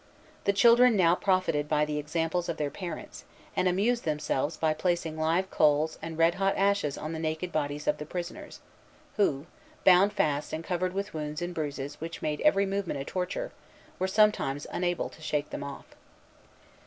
The children now profited by the examples of their parents, and amused themselves by placing live coals and red hot ashes on the naked bodies of the prisoners, who, bound fast, and covered with wounds and bruises which made every movement a torture, were sometimes unable to shake them off.